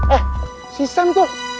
eh si sam tuh